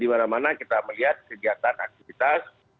di mana mana kita melihat kegiatan aktivitas